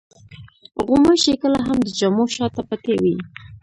غوماشې کله هم د جامو شاته پټې وي.